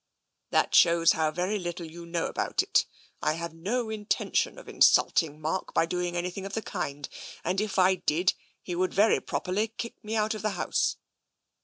" That shows how very little you know about it. I have no intention of insulting Mark by doing anything of the kind, and if I did, he would very properly kick me out of the house.